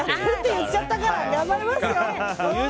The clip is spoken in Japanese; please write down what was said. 言っちゃったから頑張りますよ！